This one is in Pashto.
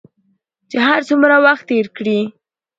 چې هر څومره وخت تېر کړې